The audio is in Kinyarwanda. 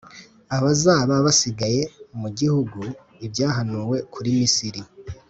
abazaba basigaye mu gihugu. Ibyahanuwe kuri Misiri